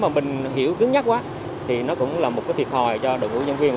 nếu mà mình hiểu cứng nhất quá thì nó cũng là một thiệt hồi cho đội hướng dẫn viên